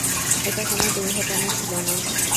এটা কোন দুর্ঘটনা ছিল না!